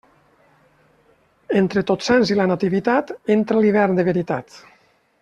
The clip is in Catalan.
Entre Tots Sants i la Nativitat, entra l'hivern de veritat.